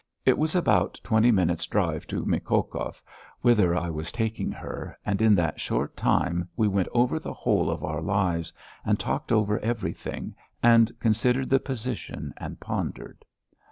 It was about twenty minutes' walk to Mikhokhov, whither I was taking her, and in that short time we went over the whole of our lives, and talked over everything, and considered the position and pondered....